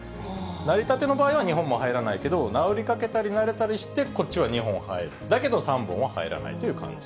なりたての場合は２本も入らないけど、治りかけたり慣れたりして、こっちは２本入る、だけど３本は入らないという感じ。